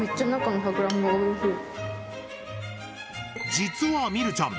実は美瑠ちゃん